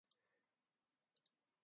佐々木千隼